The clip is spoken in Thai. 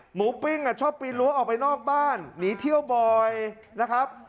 ปิ้งชอบปีนรั้วออกไปนอกบ้านหนีเที่ยวบ่อยนะครับ